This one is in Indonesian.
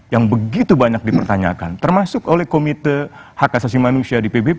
yang begitu banyak dipertanyakan termasuk oleh komite hak asasi manusia di pbb